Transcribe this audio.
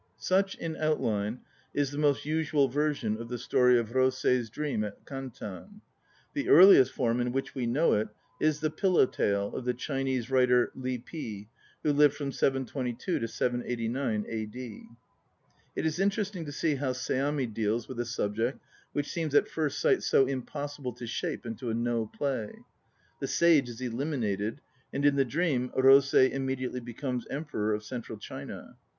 Such, in outline, is the most usual version of the story of Rosei's dream at Kantan. The earliest form in which we know it is the "Pillow Tale" of the Chinese writer Li Pi, who lived from 722 to 789 A. D. It is interesting to see how Seami deals with a subject which seems at first sight so impossible to shape into a No play. The "sage" is eliminated, and in the dream Rosei immediately becomes Emperor of Central China.